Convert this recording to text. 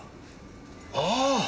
ああ！